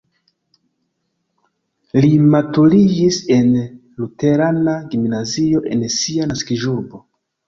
Li maturiĝis en luterana gimnazio en sia naskiĝurbo.